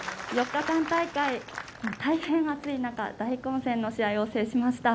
４日間大会、大変暑い中大混戦の試合を制しました。